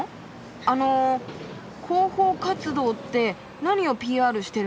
あの広報活動って何をＰＲしてるんですか？